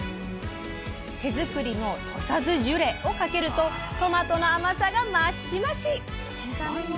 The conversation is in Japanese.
手作りの土佐酢ジュレをかけるとトマトの甘さが増し増し！